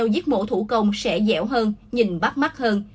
giết mổ thủ công sẽ dẻo hơn nhìn bắt mắt hơn